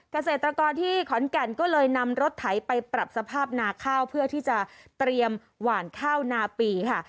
เกษตรกรที่ขอนแก่นก็เลยนำรถไถไปปรับสภาพนาข้าวเพื่อที่จะเตรียมหวานข้าวนาปีค่ะ